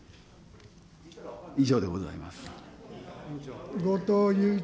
以上でございます。